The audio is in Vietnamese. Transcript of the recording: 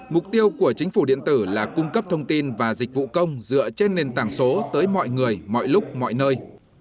mục tiêu của chính phủ điện tử là cung cấp thông tin và dịch vụ công dựa trên nền tảng số tới mọi người mọi lúc mọi nơi